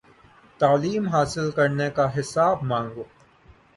تعلیم حاصل کرنے کا حساب مانگو